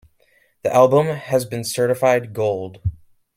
The album has been certified gold.